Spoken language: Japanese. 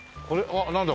あっなんだ？